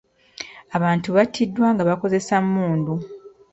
Abantu battiddwa nga bakozesa mmundu.